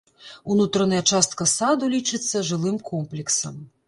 Унутраная частка саду лічыцца жылым комплексам.